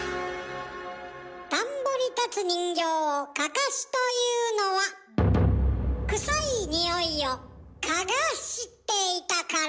田んぼに立つ人形を「かかし」というのはクサいニオイを「かがし」ていたから。